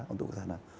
untuk ke sana